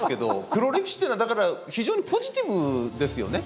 黒歴史っていうのはだから非常にポジティブですよね。